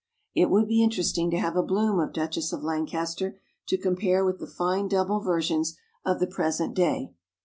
It would be interesting to have a bloom of Duchess of Lancaster to compare with the fine double varieties of the present day.